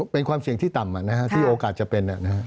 เป็นความเสี่ยงที่ต่ำที่โอกาสจะเป็น